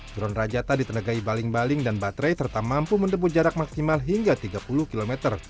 drone rajata ditenegai baling baling dan baterai serta mampu menempuh jarak maksimal hingga tiga puluh km